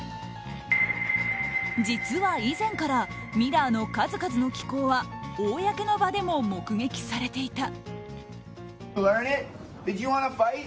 実は以前からミラーの数々の奇行は公の場でも目撃されていた。